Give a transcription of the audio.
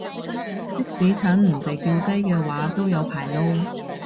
的士陳唔被叫雞嘅話都有排撈